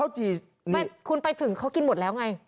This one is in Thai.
ไม่คุณไปถึงเขากินหมดแล้วไง